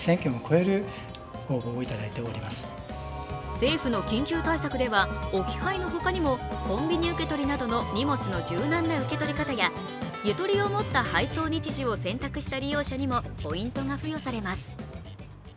政府の緊急対策では、置き配のほかにもコンビニ受け取りなどの荷物の柔軟な受け取り形や、ゆとりをもった配送日時を選択した利用者にもポイントが付与されます。